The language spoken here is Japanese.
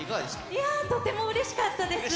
いやー、とてもうれしかったです。